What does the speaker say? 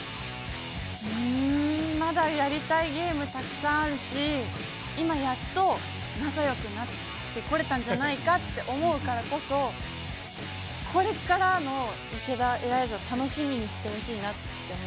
まだやりたいゲーム、たくさんあるし、今やっと、仲よくなってこれたんじゃないかって思うからこそ、これからの池田エライザ、楽しみにしてほしいなって思う。